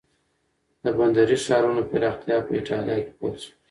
د بندري ښارونو پراختیا په ایټالیا کې پیل شوه.